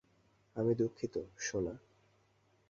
আমি দুঃখিত, সোনা।